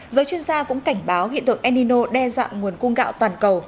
giới chuyên gia cũng cảnh báo hiện tượng enino đe dọa nguồn cung gạo toàn cầu